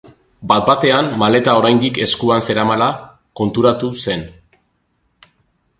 Bat-batean maleta oraindik eskuan zeramala konturatu zen.